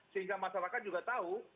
sehingga masyarakat juga tahu